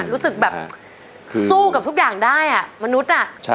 รู้สึกแบบสู้กับทุกอย่างได้มนุษย์